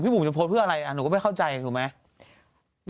บุ๋มจะโพสต์เพื่ออะไรหนูก็ไม่เข้าใจถูกไหม